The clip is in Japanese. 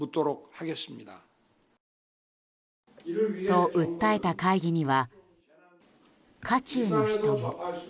と訴えた会議には渦中の人も。